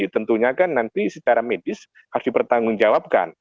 tentunya kan nanti secara medis harus dipertanggungjawabkan